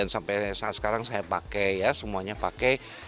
sampai saat sekarang saya pakai ya semuanya pakai